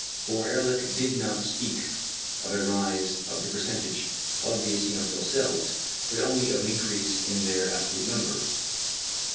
For Ehrlich did not speak of a rise of the percentage of the eosinophil cells, but only of an increase in their absolute number.